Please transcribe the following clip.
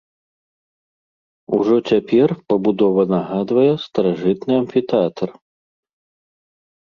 Ужо цяпер пабудова нагадвае старажытны амфітэатр.